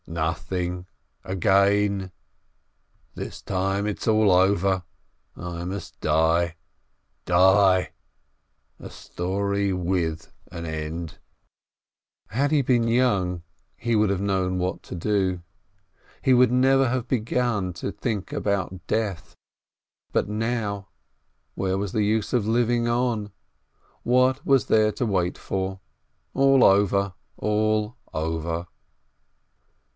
"Nothing — again! This time it's all over. I must die — die — a story with an end." EEB SHLOIMEH 347 Had he been young, he would have known what to do. He would never have begun to think about death, but now — where was the use of living on? What was there to wait for ? All over !— all over